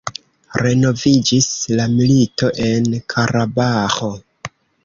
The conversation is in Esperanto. Renoviĝis la milito en Karabaĥo.